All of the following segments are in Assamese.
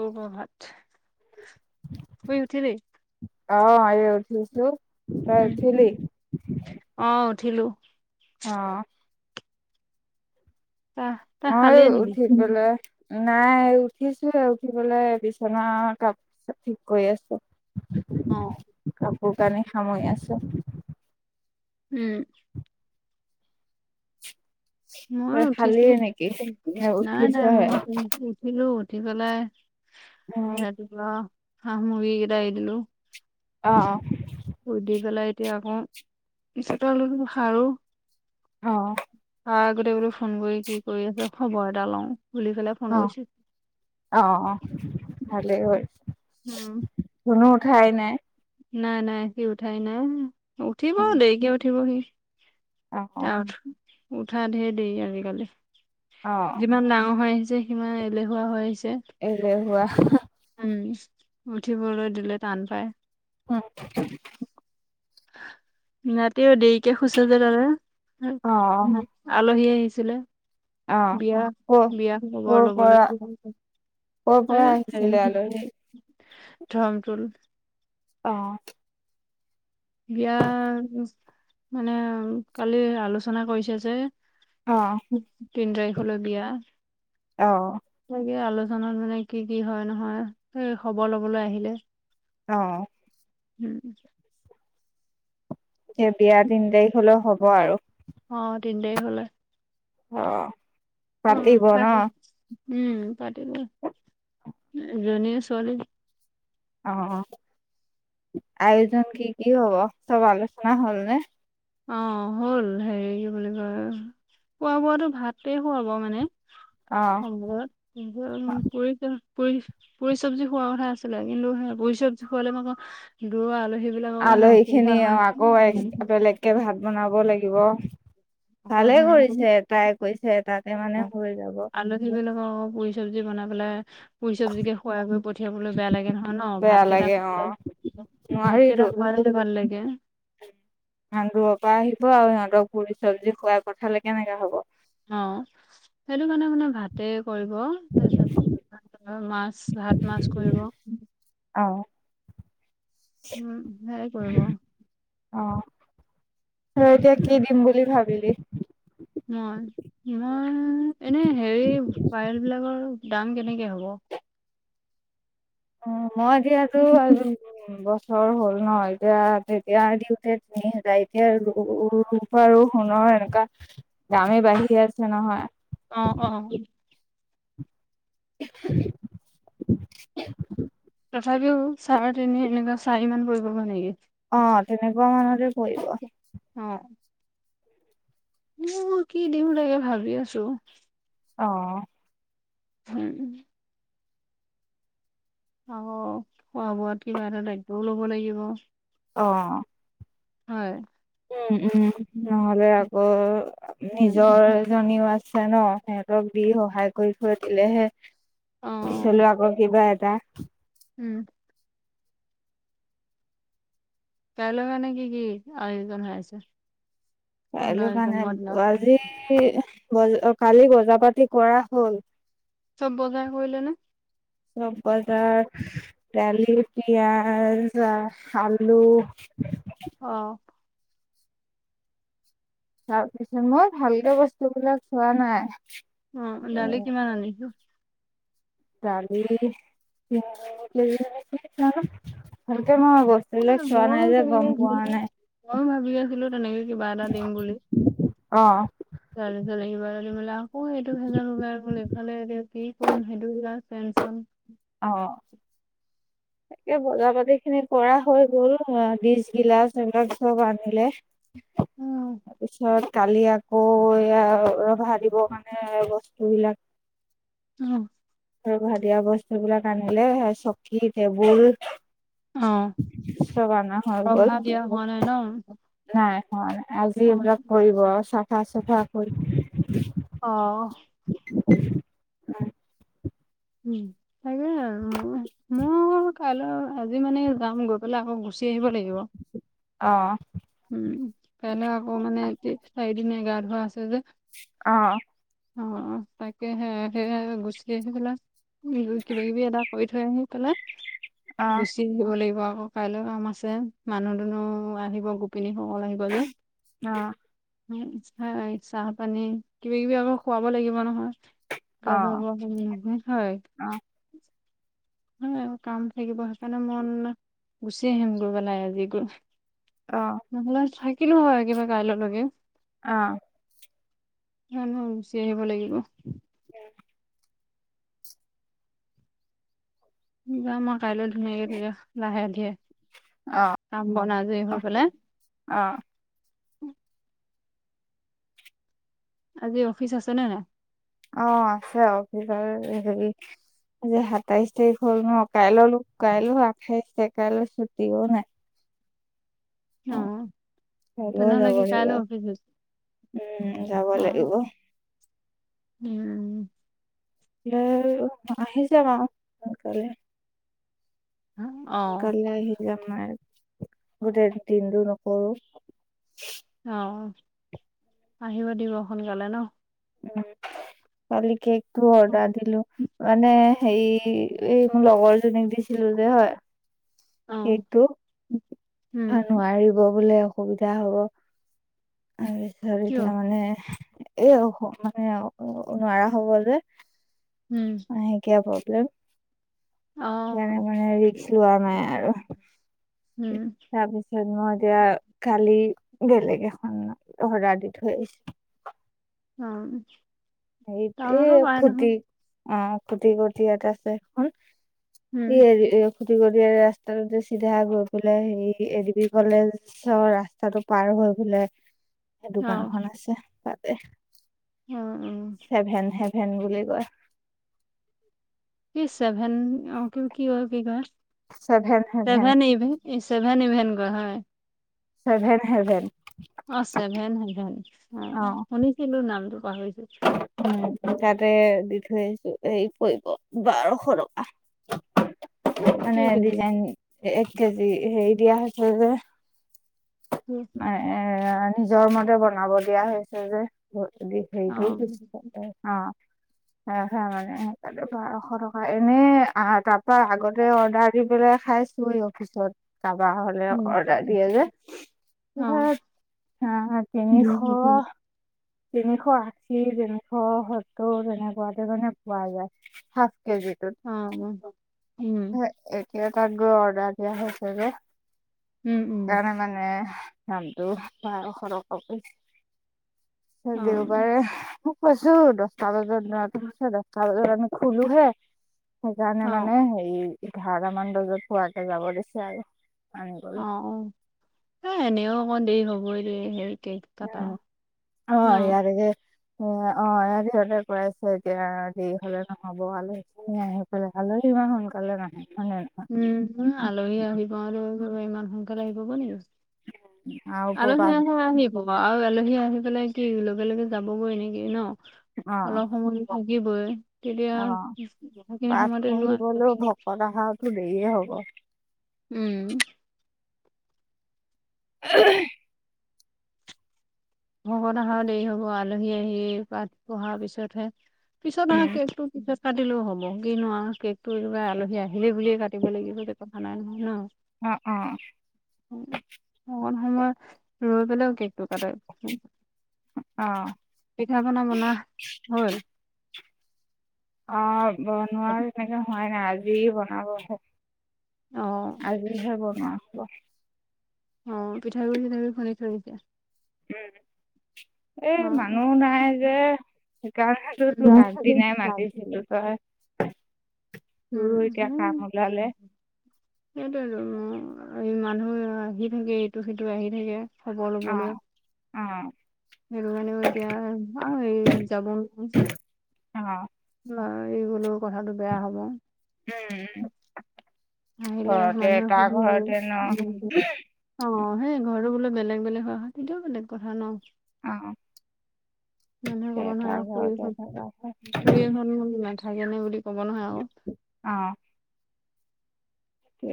ৰব ভাত খাই। শুই উঠিলেই? অ এইয়া উঠিছোঁ। উম অ উঠিলো। অ। তাহ তাহ অ খালিয়ে নেকি উঠি পেলাই নাই উঠিছো আৰু। উঠি পেলাই বিছনা কাপ চাপ ঠিক কৰি আছো। অ। [unintelligible] সামৰি আছো। উম। মই তই উঠিছো। খালিয়ে নেকি এ নাই নাই উঠিছহে মই উঠিলো উঠি পেলাই। অ সতি। হ মগী গডাইো অ উদী পেল এতিয়া আকৌ পিছতে ল খাৰো অ আহ আগতে বোলো ফোন কৰি কি কৰি আছে খবৰ এটা লওঁ ভুলি ফেলাই ফোন অ কৰিছে অ অ ভালেই হ'ল উম কোনো উঠাই নাই নাই নাই সি উঠাই নাই উঠিব দেৰিকে উঠিব সি অ অ তাৰ উঠা ধেৰ দেই আজিকালি অ যিমান ডাঙৰ হৈ আহিছে যে সিমান এলেহুৱা। এ হোৱা উম উঠিবলৈ দিলে টান পাই। উম! নাতীও দেৰিকে শুইছে যে তাতে অ আলহী আহি ছিলে, বিয়া অ বিয়া ক খবৰ কৰ লবলৈ। পৰা কৰ পৰা আহিছিলে আলহী স মটোুল [inaudible] অ বিয়া মানে কালি আলোচনা কৰিছে যে। অ তিন তাৰিখলৈ বিয়া। অ এই আলোচনাত মানে কি কি হয় নহয় সেই খবৰ লবলৈ আহিলে। অ উম! এতিয়া বিয়া তিন তাৰিখ হলেও হ'ব আৰু। অ তিন তাৰিখ হলে। অ পাতিব ন। উম পতিব এজনীয়ে ছোৱালী। অ অ আয়োজন কি কি হব চব আলোচনা হ'ল নে অ হ'ল হেৰি কি বুলি কয়, খোৱা বোৱাটো ভাতে খুৱাব মানে। অ হব। পুৰি পুৰি চব্জি খোৱাৰ কথা আছিলে কিন্তু সেই পুৰি চব্জি খোৱালে ম আকৌ দূৰৰ আল আলহী খিনি অ আকৌ এক্স বেলেগকে ভাত বনাব লাগিব। আকৌ ভালে কৰিছে সিহঁত তাই কৈছে তাতে মানে হৈ যাব। আলহী বিলাকক আকৌ পুৰি চব্জি বনাই পেলাই পুৰি চব্জিকে খুৱাই কৰি পঠিয়াবলৈ বেয়া লাগে নহয় ন বেয়া ভাতকেইটা। লাগে অ ভাতকে নোৱাৰিতো খুৱালে ভাল লাগে। সান্দুৰ পৰা আহিব আৰু সিহঁতক পুৰি চব্জি খুৱাই পঠালে কেনেকা হব। অ সেইটো কাৰণে মানে ভাতে কৰিব তাৰপিছত মাছ ভাত মাছ কৰিব। অ উ সেয়াই কৰিব। অ ত এতিয়া কি দিম বুলি ভাবিলি। মই মই এনে হেৰি পাইল বিলাকৰ দাম কেনেকে হ'ব। অ মই এতিয়াটো বছৰ হ'ল নহ এতিয়া তেতিয়া দিওঁতে তিনি হাজাৰ এতিয়া আৰু সুণৰ এনেকুৱা দামেই বাঢ়িৰে আছে নহয়। অ অ [unintelligible] তথাপিও চাৰে-তিনি এনেকুৱা চাৰিমান পৰিব নেকি? অ' তেনেকুৱা মানতে পৰিব। মই কি দিম লাগে ভাবি আছোঁ। অ' হুম। অ' খোৱা-বোৱাত কিবা এটা দায়িত্বও ল'ব লাগিব। অ'। হয়। উম উম। নহ'লে আকৌ উম নিজৰজনীও আছে। ন? সিহঁতক দি সহায় কৰি থৈ দিলেহে অ অ পিছলে আকৌ কিবা এটা। উম! কাইলৈ মানে কি কি আয়োজন হৈ আছে? কাইলৈ তহঁতৰ কাৰণে জন্মৰ দিনত আজি, গ'ল, অ' কালি বজাৰ পাতি কৰা হ'ল। চব বজাৰ কৰিলে নে? চব বজাৰ দালি, পিয়াঁজ, আলু অ'। তাপিছত মই ভালকে বস্তুবিলাক চোৱা নাই। উম দালি কিমান আনিছ? দালি তিনিকেজি নেকি? জানো সুধিব মই বস্তুবিলাক চোৱা নাই যে গম পোৱা নাই। মই ভাবি আছিলো তেনেকে কিবা এটা দিম বুলি। অ'। [unintelligible] আকৌ সেইটো ভেজাল ওলাই গ'ল। এইফালে এতিয়া কি কৰিম সেইটো সুধা পেঞ্চন অ'। [inaudible] তাকে বজাৰ পাতিখিনি কৰা হৈ গ'ল, ডিচ, গিলাচ এইবিলাক চব আনিলে। উম তাৰপিছত কালি আকৌ কৌ এয়া ৰভা দিব কাৰনে বস্তুবিলাক ৰভা দিয়া বস্তুবিলাক আনিলে চকী, টেবুল অ চব আনা হৈ গ'ল। ৰভা দিয়া হোৱা ন নাই। হয়, আজি অ এইবিলাক কৰিব আৰু। চাফা-চফা কৰি অ'। উম। উম তাকে মোৰ, মোৰ কাইলৈ আজি মানে যাম, গৈ পেলাই আকৌ গুচি আহিব লাগিব। অ'। উম কাইলৈ আকৌ মানে চাৰিদিনীয়া গা ধোৱা আছে যে। অ'। অ' তাকেহে সে গুচি আহি পেলাই এই কিবাকিবি এটা কৰি থৈ আহি পেলাই অ গুচি আহিব লাগিব। আকৌ কাইলৈ কাম আছে মানুহ-দুনুহ আহিব। গোপিনীসকল আহিব যে অ চাহপানী কিবাকিবি আকৌ খুৱাব লাগিব নহয়! অ [unintelligible] হয় কাম থাকিব, সেইকাৰণে মন গুচি আহিম গৈ পেলাই আজি গৈ অ অ নহ'লে থাকিলো হয়, কিবা কাইললৈকে অ'। মইনো গুচি আহিব লাগিব। উম। যাম আৱ কাইলৈ ধুনীয়াকে তেতিয়া লাহে- ধিৰে। অ কাম বন আজৰি হৈ পেলাই অ আজি অফিচ আছে নে নাই? অ আছে অফিচ [inaudible] হেৰি আজি সাতাইশ তাৰিখ হ'ল ন কাইলৈলো কাইলৈ আঠাইশ তাৰিখ কাইলৈ ছুটিও নাই। অ কাইলৈও তেনেহলে যাব কি লাগিব কাইল অফিছ নোজোৱা? উম যাব লাগিব। উম। এ আহি যাবা ক কাইলে। অ', কাইলে আহি যাম মই গোটেই দিনটো নকৰো। অ আহিব দিব সোনকালে ন। উ কালি কেকটো অৰ্ডাৰ অ', দিলো। মানে হেৰি এই মোৰ লগৰজনীক দিছিলোঁ যে হয়। সেইটো উম, নোৱাৰিব বোলে অসুবিধা হ'ব। [inaudible] কিয়? এতিয়া মানে। এ মানে নোৱাৰা হব যে উম, মাহেকীয়া ব। [inaudible] অ', মানে ৰিক্স লোৱা নাই আৰু। উম, তাৰপিছত মই দিয়া কালি। বেলেগ এখন [unintelligible] দিথৈ আহিছে। উম। সেইট খুতি। অ খুটি কুটি ইটা আছে এখন ই উম, হেৰি খুটি কৰি ৰাস্তাটোতে চিধা গৈ পেলাই সেই এ ডি বি কলেজৰ ৰাস্তাটো পাৰ হৈ [unintelligible] সেই অ', দোকানখন আছে তাতে। অ। উম, হেভেন হেভেন বুলি কয়। কি ছেভেন অ কি কয় ছেভেন হেভেন ভেন এইভ। [unintelligible] চেভেনন ইভেন কয় হয়। Seven heaven. অঁ ছেভেনে হেভেন অ শুনিছিলো নামটো পাহৰিছো। উম। [unintelligible] দি থৈ আহছো এই পৰিব বাৰশ টকা। মানে কেই কেজি? ডিজাইন এক কেজি হেৰি দিয়া হৈছিল যে। এ নিজৰ মতে বনাব দিয়া হৈছে যে। দে সেইটো অ', [inaudible] অ। [unintelligible] মানে সেইকাৰে বাৰশ টকা এনে তাৰ পৰাৰা আগতে অৰ্ডাৰ দি পেলাই খাই পাইছো অফিচত কাবা হলে অৰ্ডাৰ উম। দিয়ে যে। অ'। অ', [unintelligible] হ তিনি উম, শ। তিনিশ আশী তিনিশ সত্তৰ তেনেকুৱাতে মানে পোৱা যায় স। কেজিটোত এক। [unintelligible] গৈ অৰ্ডাৰ দিয়া হৈছে যে উম, উম, সেইকাৰণে মানে। নামটো বাৰশ টকা অ', কৈ দেওবাৰে। কৈছো দচটা বজাত য হৈছে দচটা বজাত আমি খোলোহে। সেইকাৰণে অ', মানে হে এঘাৰটা মান বজাত পুৱতে যাব দিছে আৰু। অ আনিবলৈ। অ এ এনেও অকণ দেৰি হবইটো হেৰি। উম অ এইৰা যে। এ অ এ সিহঁতে পইছে এতিয়া দেৰি হলে নহ'ব আলহি আহি পাই আলহী। ন সোনকালে নাহে। হয় নে নহয় উম আলহী আহিব আৰু ঘ ইমান সোনকালে আহিব প প নিস্ত। আৰু আলহী উপবাস আহ আহিব আৰু আলহী আহি পেলাই। লগে লগে যাবগৈ নেকি ন অ অলপ সময় থাকিবই। তেতিয়া অ বুখিনি সময়তে নোৱাৰ। সে হ'ব। উম। [unintelligible] ভগত আহাৰত দেৰি হ'ব আলহী আহি পাত পঢ়াৰ পিছতহে। পিছ ন উম। হাকে পিছত। কাটিলেও হ'ব কি নোৱাৰো কেকটো এইিবা আলহী আহিলেই বুলিয়েই কাটিব লাগিবত কথা নাই নহয় ন। অ অ। অকণ সময় ৰৈ পেলাইও কেক টো কাটাই। অ পিঠা পনা বনা হল। অ বনোৱা তেনেকে হয় নাই আজি বনাবহে। অ আজি হব কাম ক। অ পিঠাগুড়ি চিঠাগু় খুনি থৈ এতিয়া। উ এই মানুহ নাই যে সেই কাৰণে তোক তো আগদিনাই মাতিছিলো তই। উম তোৰো এতিয়া কাম ওলালে সেইটোৱে তো মই এই মানুহ আহি থাকে ইটো সিটো আহি থাকে খবৰ অ লবলৈ। অ সেইটো কাৰণেও এতিয়া আৰু এই যাব নোৱাৰো। অ বাৰু এই গলেও কথাটো বেয়া হব। উম! আহিলে ঘৰতে মানুহে এটা সুধিবই ঘৰতে ন অ সেই ঘৰটো বোলে। বেলেগ বেলেগ হয় হয় তেতিয়াও বেলেগ কথা ন। অ মানে এটা ঘৰতে থকা হয় অকৰি এখন [inaudible] থাকেনে বুলি কব নহয় আক। উ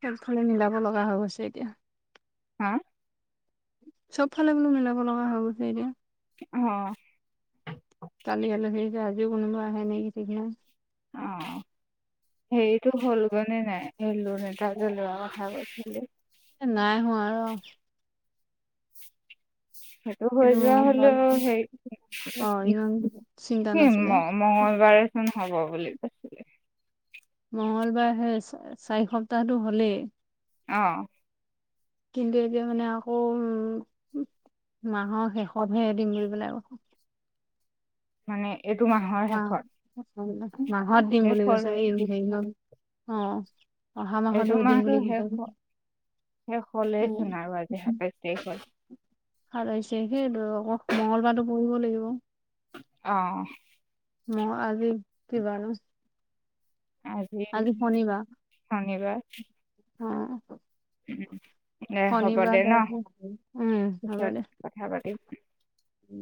সেইফালে মিলাব লগা হৈ গৈছে এতিয়া। হা চবফালে বোলো মিলাব লগা হৈ গৈছে এতিয়া। অ কালি আলহী আহিলে আজিও কোনোবা আহে নেকি ঠিক নাই। [inaudible] সেইটো হল গৈ নাই, সেই লৰা এটা লোৱা কথা কৈছিলে। নাই হোৱা ৰ। সেইটো হৈ এইটো যোৱা মংগল হলেও হে অ ইমান চিন্তা সম নাছিলে ম মঙ্গলবাৰে চোন হ'ব বুলি কৈছিলে। মঙ্গলবাৰ সে চাৰি সপ্তাহটো হ'লেই। অ কিন্তু এতিয়া মানে আকৌ উম মাহৰ শেষতহে দিম বুলি পেলাই আৰু। মানে এইটো মাহৰ মাহ শেষত। মাহত দিম শেষ বুলি হ'ল কৈছে এ সেই ন অ অহা মাহত এইটো দিম মাহটো বুলি শেষ হ'ল। শেষ হ'লেইচোন আৰু আজি সাতাইশ তাৰিখ হ'ল ভাল হৈছে সেইটো আকৌ। মঙ্গলবাৰটো পঢ়িব লাগিব। অ ম আজি কি বা নো। আজি শনিবাৰ। অ। উম, দে হ'ব দে শনিবাৰ ত ন উম হ'ব পিছত দে, কথা পাতিম উ।